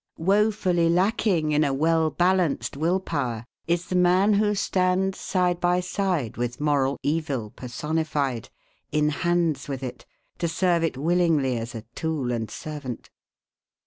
Wofully lacking in a well balanced will power is the man who stands side by side with moral evil personified, in hands with it, to serve it willingly as a tool and servant.